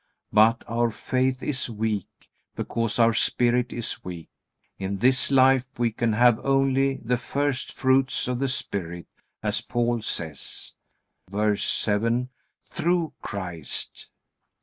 But our faith is weak, because our spirit is weak. In this life we can have only the first fruits of the Spirit, as Paul says. VERSE 7. Through Christ.